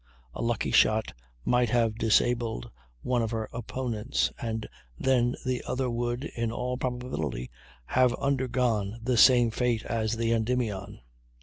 A lucky shot might have disabled one of her opponents, and then the other would, in all probability, have undergone the same fate as the Endymion.